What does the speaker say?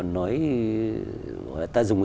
nói ta dùng